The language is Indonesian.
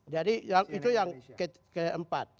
jadi itu yang keempat